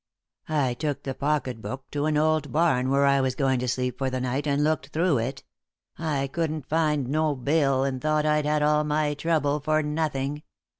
I took the pocket book to an old barn where I was going to sleep for the night, and looked through it; I couldn't find no bill, and thought I'd had all my trouble for nothing.